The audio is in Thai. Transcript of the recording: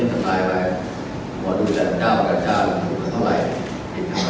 ตามสารอะไรของเขา